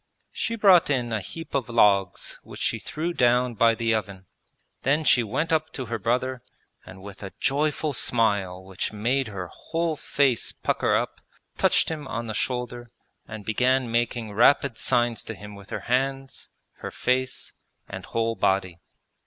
She brought in a heap of logs which she threw down by the oven. Then she went up to her brother, and with a joyful smile which made her whole face pucker up, touched him on the shoulder and began making rapid signs to him with her hands, her face, and whole body.